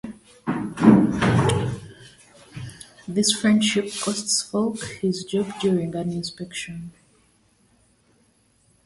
This friendship costs Folke his job during an inspection.